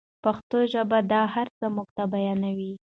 پښتو ژبه دا هر څه موږ ته بیانوي.